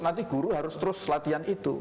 nanti guru harus terus latihan itu